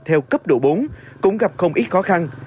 theo cấp độ bốn cũng gặp không ít khó khăn